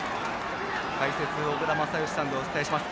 解説の小倉全由さんでお伝えします。